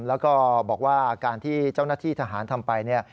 แล้วก็บอกว่าการที่เจ้าหน้าที่ทหารทำไปเนี่ย